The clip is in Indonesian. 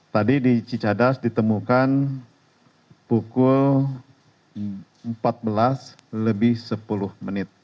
tadi di cicadas ditemukan pukul empat belas lebih sepuluh menit